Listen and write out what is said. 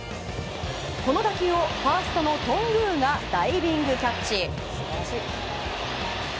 この打球をファーストの頓宮がダイビングキャッチ。